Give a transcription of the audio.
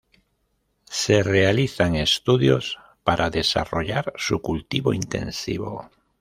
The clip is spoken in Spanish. Se realizan estudios para desarrollar su cultivo intensivo.